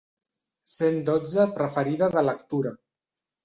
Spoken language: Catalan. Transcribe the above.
Cent dotze preferida de lectura.